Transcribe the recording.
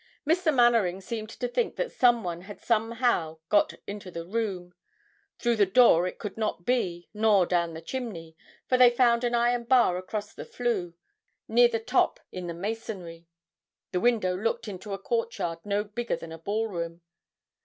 Mr. Manwaring seemed to think that some one had somehow got into the room. Through the door it could not be, nor down the chimney, for they found an iron bar across the flue, near the top in the masonry. The window looked into a court yard no bigger than a ball room.